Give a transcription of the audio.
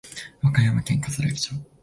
和歌山県かつらぎ町